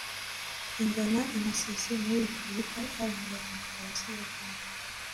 igana i Masisi muri Repubulika Iharanira Demokarasi ya Congo